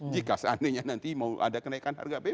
jika seandainya nanti mau ada kenaikan harga bbm